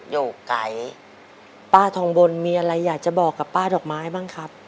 โยกไก่ป้าทองบนมีอะไรอยากจะบอกกับป้าดอกไม้บ้างครับ